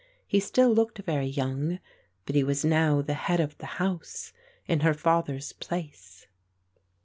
He still looked very young; but he was now the head of the house in her father's place.